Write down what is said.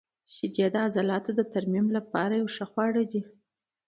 • شیدې د عضلاتو د ترمیم لپاره یو ښه خواړه دي.